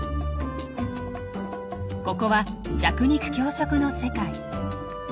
ここは弱肉強食の世界。